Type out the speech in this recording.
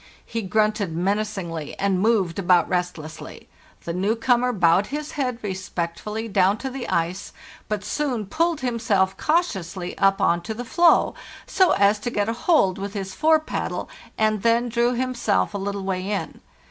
He grunted menacingly, and moved about restlessly. The new comer bowed his head _re spectfully down to the ice, but soon pulled himself cau tiously up on to the floe, so as to get a hold with his fore paddle, and then drew himself a little way in.